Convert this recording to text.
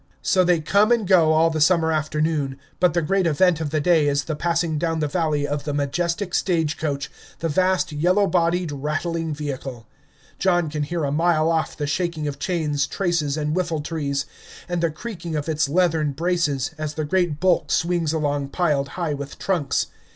So they come and go all the summer afternoon; but the great event of the day is the passing down the valley of the majestic stage coach, the vast yellow bodied, rattling vehicle. John can hear a mile off the shaking of chains, traces, and whiffle trees, and the creaking of its leathern braces, as the great bulk swings along piled high with trunks.